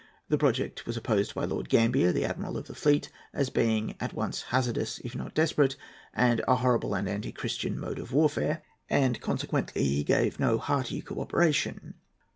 The project was opposed by Lord Gambier, the Admiral of the Fleet, as being at once "hazardous, if not desperate," and "a horrible and anti Christian mode of warfare;" and consequently he gave no hearty co operation.